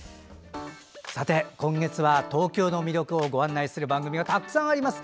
今月は東京の魅力をご案内する番組がたくさんあります。